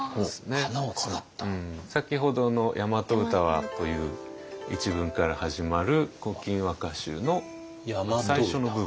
先ほどの「やまと歌は」という一文から始まる「古今和歌集」の最初の部分。